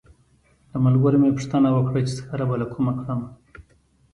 له ملګرو مې پوښتنه وکړه چې سکاره به له کومه کړم.